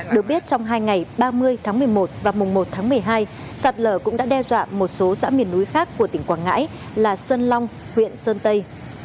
được biết trong hai ngày ba mươi tháng một mươi một và mùng một tháng một mươi hai sạt lở cũng đã đe dọa một số xã miền núi khác của tỉnh quảng ngãi là sơn long huyện sơn tây